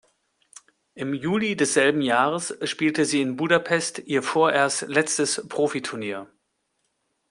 Im Juli desselben Jahres spielte sie in Budapest ihr vorerst letztes Profiturnier.